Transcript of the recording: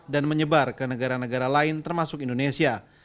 dan menyebar ke negara negara lain termasuk indonesia